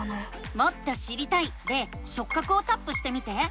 「もっと知りたい」で「しょっ角」をタップしてみて。